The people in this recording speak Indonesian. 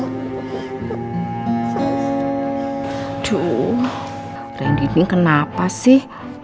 aduh randy ini kenapa sih